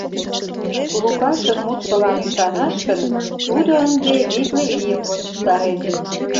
Лукашын мутшылан ӱшанаш гын, тудо ынде витле ийым вончыштарен.